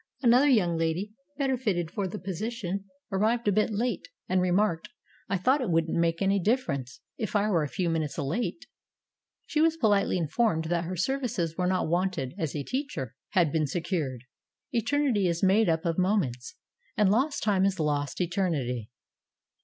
Another young lady, better fitted for the position, arrived a bit late, and remarked, "I thought it wouldn't make any difference if I were a few minutes late." She was politely informed that her services were not wanted, as a teacher had been secured. Eternity is made up of mo ments, and "lost time is lost eternity."